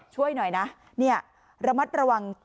ช่วยหน่อยนะเนี่ยระมัดระวัง